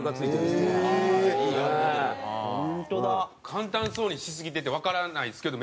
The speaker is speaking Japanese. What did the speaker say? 簡単そうにしすぎててわからないですけど。